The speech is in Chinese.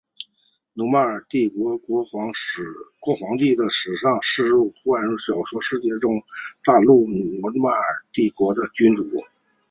努曼诺尔帝国皇帝的史诗式奇幻小说世界中土大陆里努曼诺尔帝国的君主。